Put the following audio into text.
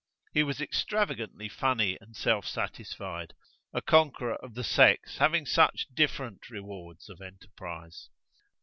He was extravagantly funny and self satisfied: a conqueror of the sex having such different rewards of enterprise.